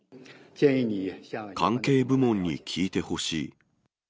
関係部門に聞いてほしい。